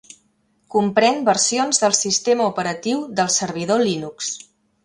Comprèn versions del sistema operatiu del servidor Linux